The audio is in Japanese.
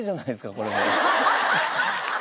これ。